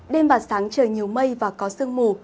đêm và sáng trời nhiều mây và có sương mù